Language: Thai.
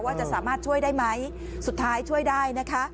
ว่าจะสามารถช่วยได้ไหมสุดท้ายช่วยได้นะคะ